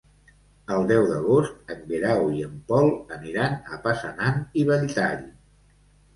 El deu d'agost en Guerau i en Pol aniran a Passanant i Belltall.